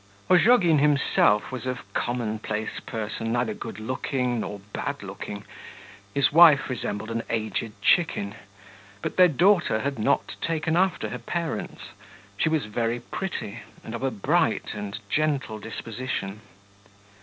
Ozhogin himself was a commonplace person, neither good looking nor bad looking; his wife resembled an aged chicken; but their daughter had not taken after her parents. She was very pretty and of a bright and gentle disposition.